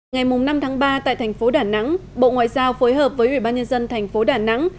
ngày năm tháng ba tại thành phố đà nẵng bộ ngoại giao phối hợp với ủy ban nhân dân thành phố đà nẵng